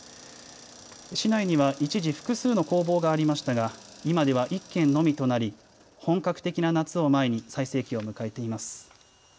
市内には一時、複数の工房がありましたが今では１軒のみとなり本格的な夏を前に最盛期を迎えています。